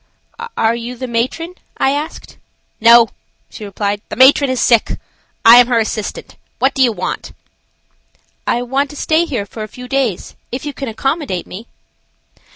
"Are you the matron?" I asked. "No," she replied, "the matron is sick; I am her assistant. What do you want?" "I want to stay here for a few days, if you can accommodate me."